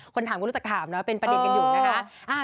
คนถามก็รู้จักถามนะเป็นประเด็นกันอยู่นะคะ